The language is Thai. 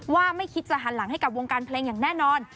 ว่าไม่คิดจะหันหลังให้กับวงการเพลงอย่างแน่นอน